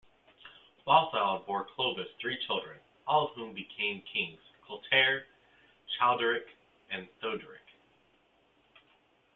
Balthild bore Clovis three children, all of whom became kings: Clotaire, Childeric and Theuderic.